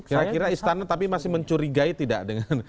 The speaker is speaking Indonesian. kira kira istana tapi masih mencurigai tidak dengan